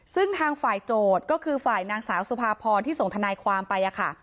ซึ่งทางฝ่ายโจทย์ก็คือฝ่ายนางสาวสุภาพรที่ส่งทนายความไปค่ะ